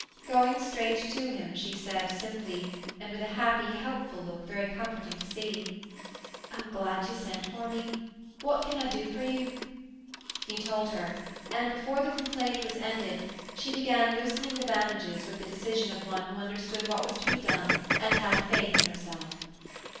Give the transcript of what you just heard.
Going straight to him, she said simply, and with a happy, helpful look very comforting to see, "I'm glad you sent for me. What can I do for you?" He told her, and before the complaint was ended, she began loosening the bandages with the decision of one who understood what was to be done and had faith in herself.